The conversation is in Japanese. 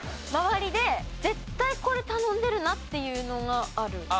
周りで絶対これ頼んでるなっていうのがある。